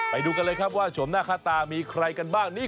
ไปดูกันเลยครับว่าชมหน้าค่าตามีใครกันบ้างนี่